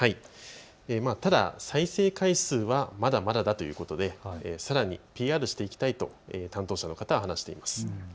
ただ再生回数はまだまだだということでさらにＰＲしていきたいと担当者の方は話しています。